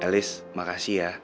elis makasih ya